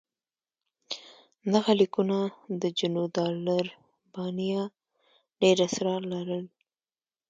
دغه لیکونه د جنودالربانیه ډېر اسرار لرل.